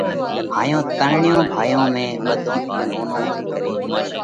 هائيون ترڻيون ڀائيون ۾ ٻڌون ٿِي نونو هتو۔